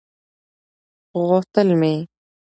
خو غوښتل مې